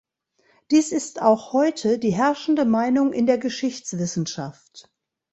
Dies ist auch heute die herrschende Meinung in der Geschichtswissenschaft.